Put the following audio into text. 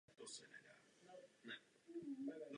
Přes četné nabídky zůstal ve službách hraběte až do své smrti.